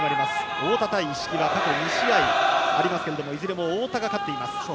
太田対一色は過去２試合ありますがいずれも太田が勝っています。